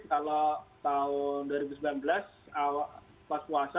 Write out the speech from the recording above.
kalau tahun dua ribu sembilan belas pas puasa